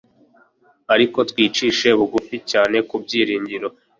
Ariko twicishe bugufi cyane ku byiringiro